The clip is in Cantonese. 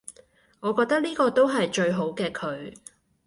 我覺得呢個都係最好嘅佢